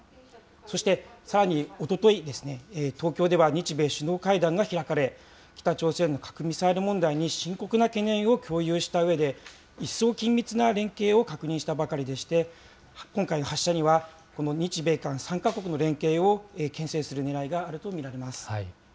そして、さらにおとといですね、東京では日米首脳会談が開かれ、北朝鮮の核・ミサイル問題に深刻な懸念を共有したうえで、一層緊密な連携を確認したばかりでして、今回の発射には、この日米韓３か国の連携をけん制するねらいがあると見られます。